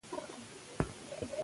له جسمي پلوه د ښځو د کمزوري ګڼلو